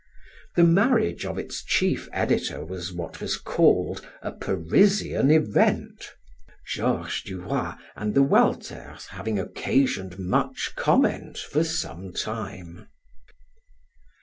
The marriage of its chief editor was what was called a "Parisian event," Georges du Roy and the Walters having occasioned much comment for some time.